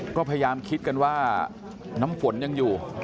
ก็พยายามคิดกันว่าน้ำฝนยังอยู่